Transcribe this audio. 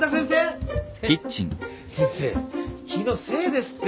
せ先生気のせいですって。